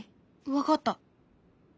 分かった。